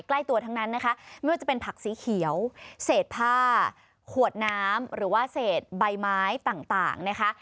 ใกล้ตัวทั้งนั้นนะคะไม่ว่าจะเป็นผักสีเขียวเศษผ้าขวดน้ำหรือว่าเศษใบไม้ต่างนะคะ